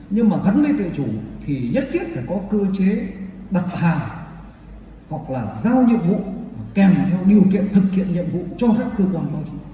nhưng mà gắn với tự chủ thì nhất tiết phải có cơ chế đặt hàng hoặc là giao nhiệm vụ kèm theo điều kiện thực hiện nhiệm vụ cho các cơ quan